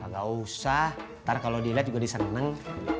gak usah ntar kalo diliat juga diseneng